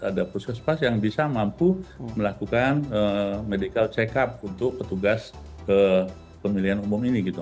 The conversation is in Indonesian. ada puskesmas yang bisa mampu melakukan medical check up untuk petugas pemilihan umum ini gitu